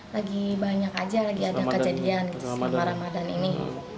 lagi banyak aja lagi ada kejadian selama ramadan ini